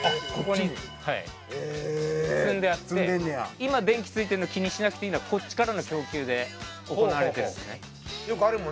今電気ついてるのを気にしなくていいのはこっちからの供給で行われてるんですね。